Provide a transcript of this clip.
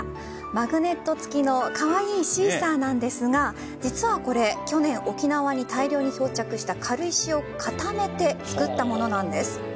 マグネット付きのカワイイシーサーなんですが実はこれ、去年沖縄に大量に漂着した軽石を固めて作ったものなんです。